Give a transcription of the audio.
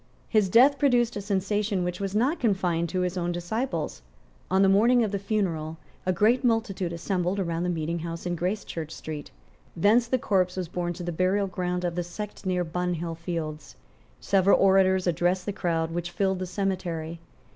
His death produced a sensation which was not confined to his own disciples. On the morning of the funeral a great multitude assembled round the meeting house in Gracechurch Street. Thence the corpse was borne to the burial ground of the sect near Bunhill Fields. Several orators addressed the crowd which filled the cemetery.